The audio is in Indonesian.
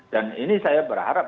dan ini saya berharap